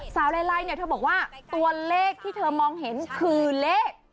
ไลเนี่ยเธอบอกว่าตัวเลขที่เธอมองเห็นคือเลข